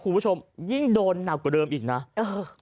คุณผู้ชมยิ่งโดนหนักกว่าเดิมอีกนะเออ